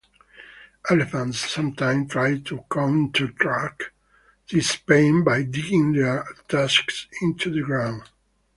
Elephants sometimes try to counteract this pain by digging their tusks into the ground.